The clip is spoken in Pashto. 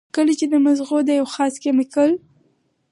کله چې د مزغو د يو خاص کېميکل